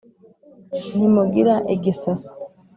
ntimugira igisasa,